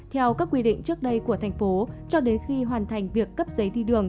theo các quy định trước đây của tp hcm cho đến khi hoàn thành việc cấp giấy đi đường